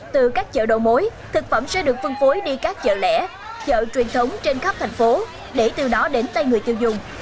từ các chợ đầu mối thực phẩm sẽ được phân phối đi các chợ lẻ chợ truyền thống trên khắp thành phố để từ đó đến tay người tiêu dùng